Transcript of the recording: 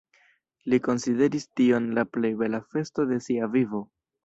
Li konsideris tion la plej bela festo de sia vivo.